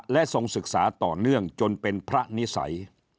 และทรงศึกษาต่อเนื่องจนเป็นพระนิสัย